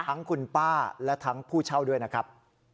ทั้งคุณป้าและทั้งผู้เช่าด้วยนะครับ